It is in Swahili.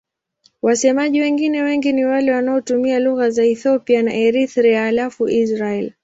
Wasemaji wengine wengi ni wale wanaotumia lugha za Ethiopia na Eritrea halafu Israel.